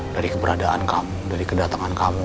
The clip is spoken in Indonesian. dari keberadaan kamu dari kedatangan kamu